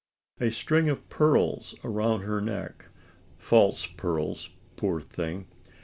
A string of pearls around her neck false pearls, poor thing!